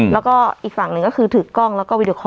แล้วก็อีกฝั่งหนึ่งก็คือถือกล้องแล้วก็วิดีคอ